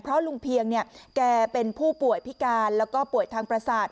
เพราะลุงเพียงเนี่ยแกเป็นผู้ป่วยพิการแล้วก็ป่วยทางประสาท